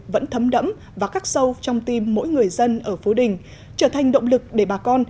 vẫn thấm đẫm và cắt sâu trong tim mỗi người dân ở phú đình trở thành động lực để bà con